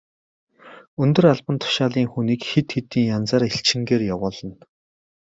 Өндөр албан тушаалын хүнийг хэд хэдэн янзаар элчингээр явуулна.